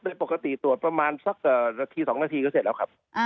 โดยปกติตรวจประมาณสักนาที๒นาทีก็เสร็จแล้วครับ